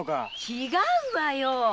違うわよ。